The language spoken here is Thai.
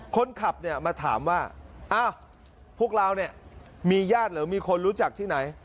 คนขับเนี่ยมาถามว่าอ้าวพวกเราเนี่ยมีญาติหรือมีคนรู้จักที่ไหน